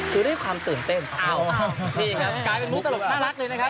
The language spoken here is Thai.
คือด้วยความตื่นเต้นอ้าวนี่ครับกลายเป็นมุกตลกน่ารักเลยนะครับ